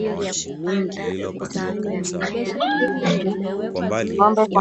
Ng'ombe kondoo na mbuzi ingawa panaweza kuwapo tofauti za aina ya vimelea